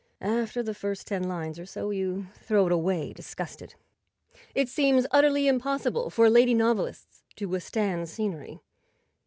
After the first ten lines or so you throw it away disgusted. It seems utterly impossible for lady novelists to withstand scenery.